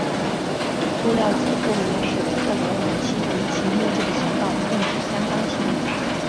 塑料结构也使得这种武器比起木制的型号更是相当轻。